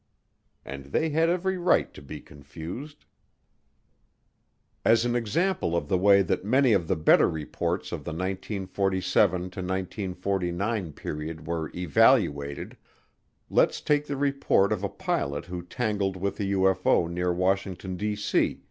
And they had every right to be confused. As an example of the way that many of the better reports of the 1947 49 period were "evaluated" let's take the report of a pilot who tangled with a UFO near Washington, D.C.